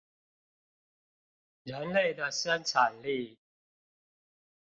人類的生產力